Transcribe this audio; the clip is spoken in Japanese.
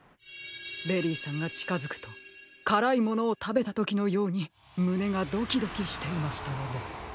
ベリーさんがちかづくとからいものをたべたときのようにむねがドキドキしていましたので。